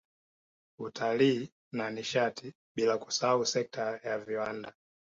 Utalii na Nishati bila kusahau sekta ya viwanda